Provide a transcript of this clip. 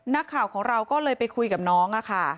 นักข่าวของเราก็เลยไปคุยกับน้องค่ะ